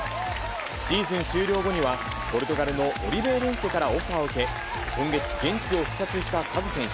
シーズン終了後には、ポルトガルのオリベイレンセからオファーを受け、今月、現地を視察したカズ選手。